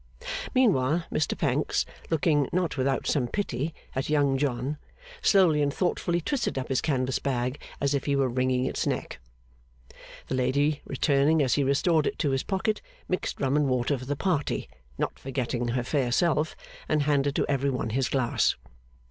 Meanwhile Mr Pancks, looking, not without some pity, at Young John, slowly and thoughtfully twisted up his canvas bag as if he were wringing its neck. The lady, returning as he restored it to his pocket, mixed rum and water for the party, not forgetting her fair self, and handed to every one his glass.